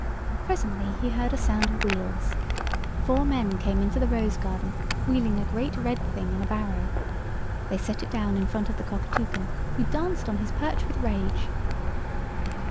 Presently he heard a sound of wheels. Four men came into the rose garden wheeling a great red thing in a barrow. They set it down in front of the Cockatoucan, who danced on his perch with rage.